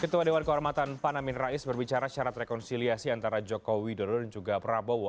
ketua dewan kehormatan pan amin rais berbicara syarat rekonsiliasi antara jokowi dodo dan juga prabowo